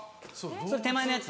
それ手前のやつ？